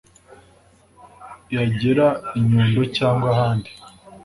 Yagera i Nyundo cyangwa ahandi